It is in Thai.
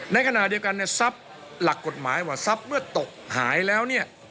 ในขณะเดียวกันทรัพย์หลักกฎหมายว่าทรัพย์เวื่อตกหายแล้ว